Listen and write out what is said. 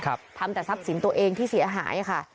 ทำแต่ทรัพย์สินตัวเองที่เสียหายค่ะ